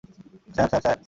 Sir, sir, sir!